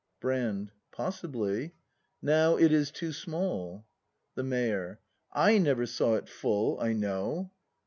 Brand. Possibly; now it is too small. The Mayor. I never saw it full, I know.